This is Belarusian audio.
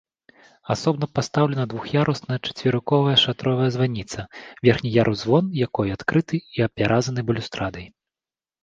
Асобна пастаўлена двух'ярусная чацверыковая шатровая званіца, верхні ярус-звон якой адкрыты і апяразаны балюстрадай.